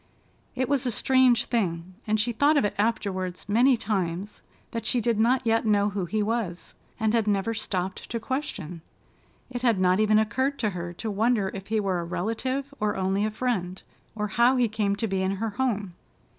It was a strange thing—and she thought of it afterward many times—that she did not yet know who he was, and had never stopped to question. It had not even occurred to her to wonder if he were a relative or only a friend, or how he came to be in her home.